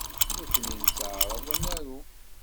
Nekni nettaεraḍ ad naru.